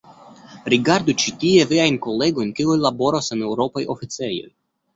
Rigardu ĉi tie viajn kolegojn kiuj laboras en eŭropaj oficejoj.